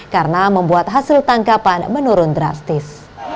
karena membuat hasil tangkapan menurun drastis